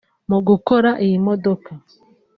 Mu gukora iyi modoka